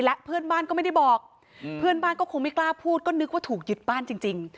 และเพื่อนบ้านก็ไม่ได้บอกเพื่อนบ้านก็คงไม่กล้าพูดก็นึกว่าถูกหยุดบ้านจริง